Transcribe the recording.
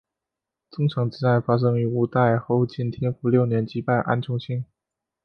宗城之战发生于五代后晋天福六年击败安重荣。